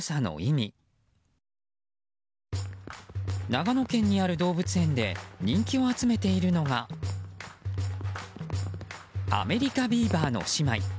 長野県にある動物園で人気を集めているのがアメリカビーバーの姉妹。